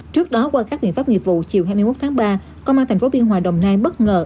trước đó qua các biện pháp nghiệp vụ chiều hai mươi một tháng ba công an tp biên hòa đồng nai bất ngờ